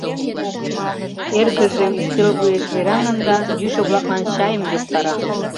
Эргыже ӱстел вуеш вераҥын да йӱшӧ-влаклан чайым йоктара.